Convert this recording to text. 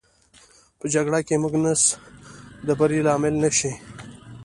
په جګړه کې که موړ نس د بري لامل نه شي.